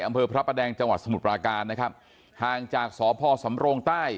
อำเภอพระประแดงจังหวัดสมุทรปราการนะครับห่างจากสพสำโรงใต้